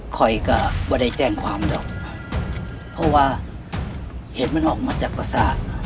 คอยก็ไม่ได้แจ้งความหรอกเพราะว่าเหตุมันออกมาจากประสาท